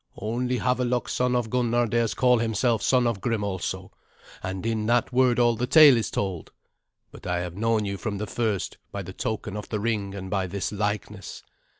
"Only Havelok son of Gunnar dares call himself son of Grim also, and in that word all the tale is told. But I have known you from the first by the token of the ring and by this likeness.